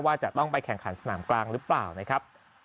ว่าจะต้องไปแข่งขันสนามกลางหรือเปล่า